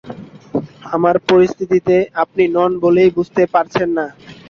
আমার পরিস্থিতিতে আপনি নন বলেই বুঝতে পারছেন না।